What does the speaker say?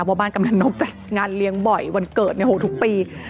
ว่าบ้านกำนันนกจัดงานเลี้ยงบ่อยวันเกิดเนี่ยโหลทุกปี